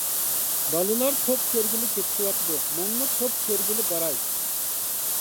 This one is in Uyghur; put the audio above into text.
بالىلار توپ كۆرگىلى كېتىشىۋاتىدۇ، مەنمۇ توپ كۆرگىلى باراي.